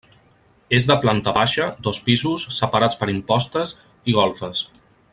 És de planta baixa, dos pisos, separats per impostes, i golfes.